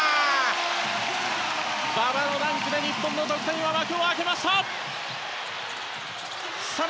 馬場のダンクで日本の得点が幕を開けました！